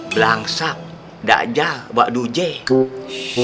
blangsak dakjal wadujek